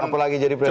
apalagi jadi presiden